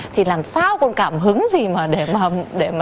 thì làm sao còn cảm hứng gì mà để mà chăn gối được nữa